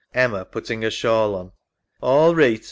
EMMA (putting her shawl on). All reeght.